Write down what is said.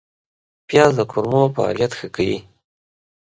پیاز د کولمو فعالیت ښه کوي